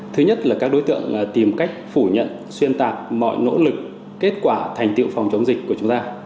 thứ nhất là các đối tượng tìm cách phủ nhận xuyên tạc mọi nỗ lực kết quả thành tiệu phòng chống dịch của chúng ta